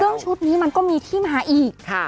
ซึ่งชุดนี้มันก็มีที่มาอีกค่ะ